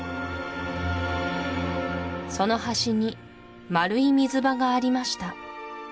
その端に丸い水場がありました